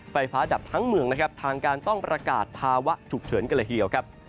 ไฟฟ้าดับทั้งเมืองนะครับทางการต้องประกาศภาวะฉุกเฉินกันเลยทีเดียวครับ